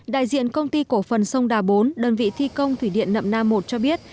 đại diện công ty cổ phần sông đà bốn đơn vị thi công thủy điện nậm nam một cho biết